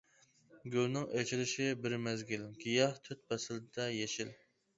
«گۈلنىڭ ئېچىلىشى بىر مەزگىل، گىياھ تۆت پەسىلدە يېشىل» .